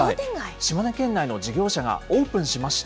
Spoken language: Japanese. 島根県内の事業者がオープンしました。